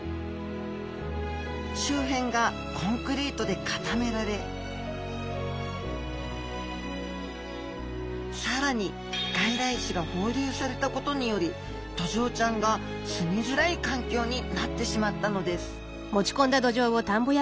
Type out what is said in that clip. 周辺がコンクリートで固められ更に外来種が放流されたことによりドジョウちゃんが住みづらい環境になってしまったのです